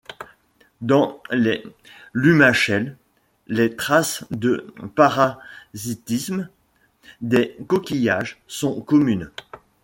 Dans les lumachelles, les traces de parasitisme des coquillages sont communes.